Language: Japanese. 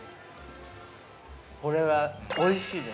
◆これは、おいしいです。